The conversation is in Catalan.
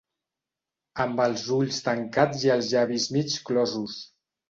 Amb els ulls tancats i els llavis mig closos.